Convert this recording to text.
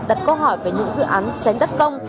đặt câu hỏi về những dự án xén đất công